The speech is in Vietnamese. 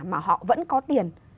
mà họ vẫn có tiền